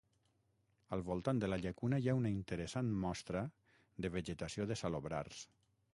Al voltant de la llacuna hi ha una interessant mostra de vegetació de salobrars.